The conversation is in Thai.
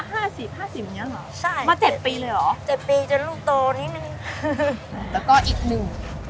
ข้าไปโรงเรียน